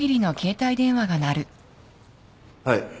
はい。